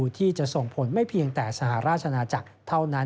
ที่จะส่งผลไม่เพียงแต่สหราชนาจักรเท่านั้น